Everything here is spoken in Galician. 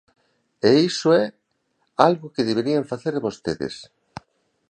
E iso é algo que deberían facer vostedes.